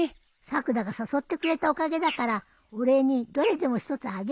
さくらが誘ってくれたおかげだからお礼にどれでも１つあげるよ。